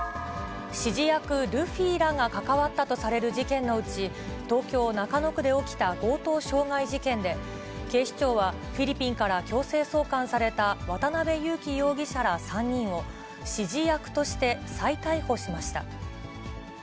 指示役ルフィらが関わったとされる事件のうち、東京・中野区で起きた強盗傷害事件で、警視庁は、フィリピンから強制送還された渡辺優樹容疑者ら３人を、指示役として再逮捕しました。